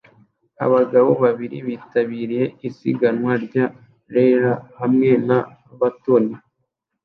Abahungu babiri bitabiriye isiganwa rya relay hamwe na batoni